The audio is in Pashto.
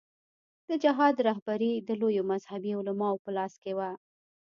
د جهاد رهبري د لویو مذهبي علماوو په لاس کې وه.